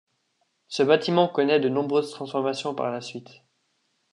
Ce bâtiment connaît de nombreuses transformations par la suite.